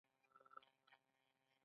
د عقد او لغوه کولو لپاره رضایت اړین دی.